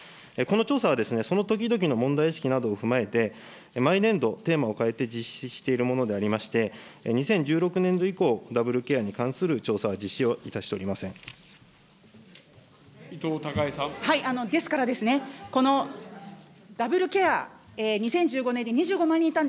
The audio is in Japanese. この調査はですね、その時々の問題意識などを踏まえて、毎年度、テーマを変えて実施しているものでありまして、２０１６年度以降、ダブルケアに関する調査の実施をいたしておりません。